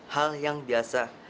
hal yang biasa